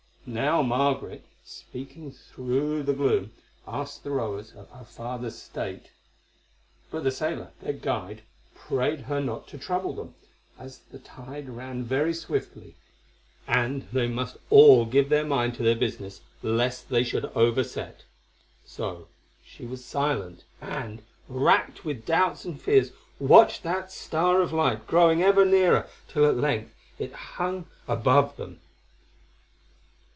Now Margaret, speaking through the gloom, asked the rowers of her father's state; but the sailor, their guide, prayed her not to trouble them, as the tide ran very swiftly and they must give all their mind to their business lest they should overset. So she was silent, and, racked with doubts and fears, watched that star of light growing ever nearer, till at length it hung above them.